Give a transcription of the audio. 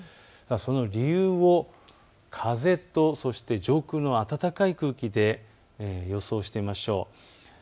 その理由を風と上空の暖かい空気で予想してみましょう。